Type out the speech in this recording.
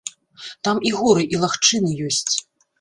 Там і горы і лагчыны ёсць.